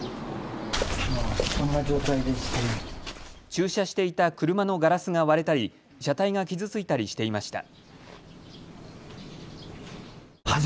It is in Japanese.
駐車していた車のガラスが割れたり車体が傷ついたりしていました。